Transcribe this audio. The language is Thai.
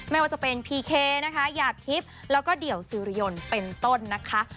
ไม่ว่าจะเป็นพีเคนะคะหยาดทิพย์แล้วก็เดี่ยวสุริยนต์เป็นต้นนะคะ